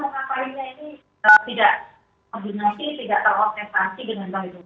kita mau ngapainnya ini tidak terorganisasi dengan pak itu